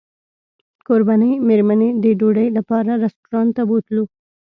کوربنې مېرمنې د ډوډۍ لپاره رسټورانټ ته بوتلو.